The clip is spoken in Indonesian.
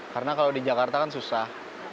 karena kalau di jakarta kan susah